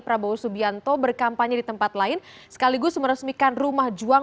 prabowo subianto berkampanye di tempat lain sekaligus meresmikan rumah juang